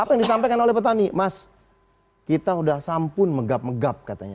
yang disampaikan oleh petani mas kita sudah sampun menggap menggap katanya